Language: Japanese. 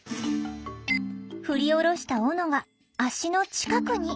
振り下ろしたオノが足の近くに。